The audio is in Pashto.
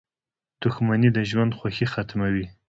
• دښمني د ژوند خوښي ختموي.